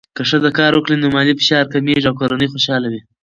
که ښځه کار وکړي، نو مالي فشار کمېږي او کورنۍ خوشحاله وي.